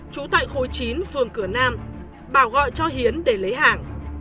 trú tại khối chín phường cửa nam bảo gọi cho hiến để lấy hàng